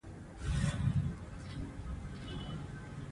خو د حل لارې یې هم شته.